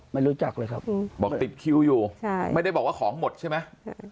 ไม่รู้จักเลยครับบอกติดคิวอยู่ใช่ไม่ได้บอกว่าของหมดใช่ไหม